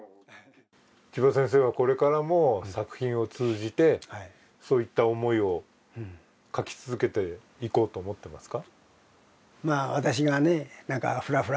ちば先生はこれからも作品を通じてそういった思いを描き続けていこうと思っていますか？